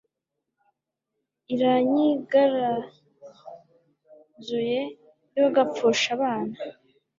iranyigaranzuye yogapfusha abana